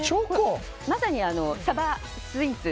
まさにサバスイーツ。